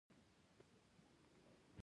باران د افغانستان د پوهنې په نصاب کې شته.